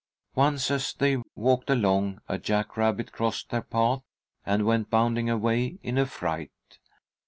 Once as they walked along, a jack rabbit crossed their path and went bounding away in a fright.